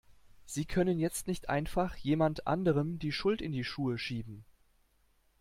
Sie können jetzt nicht einfach jemand anderem die Schuld in die Schuhe schieben!